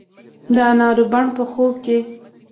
د انارو بڼ په خوب کې